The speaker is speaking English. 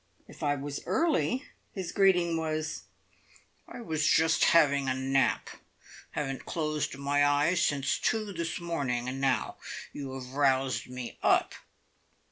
If I was early, his greeting was, "I was just having a nap! Haven't closed my eyes since two this morning, and now you have roused me up!"